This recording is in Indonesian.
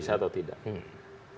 wacana itu kan dilontarkan bapak di media